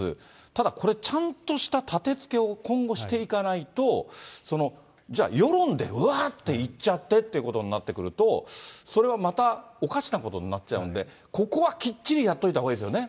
ただ、これ、ちゃんとしたたてつけを今後していかないと、じゃあ世論でうわっといっちゃってってことになってくると、それはまたおかしなことになっちゃうんで、ここはきっちりやっといたほうがいいですよね。